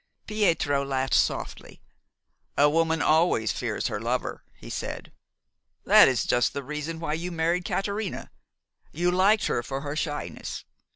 Pietro laughed softly. "A woman always fears her lover," he said. "That is just the reason why you married Caterina. You liked her for her shyness.